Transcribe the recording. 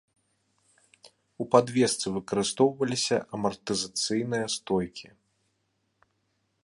У падвесцы выкарыстоўваліся амартызацыйныя стойкі.